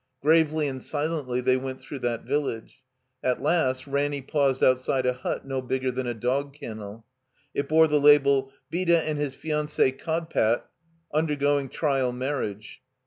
Gravely and silently they went through that village. At last, Ranny paused out side a hut no bigger than a dog kennel. It bore the label: ''Beda And His Fianc6e Kodpat Undergoing Trial Marriage."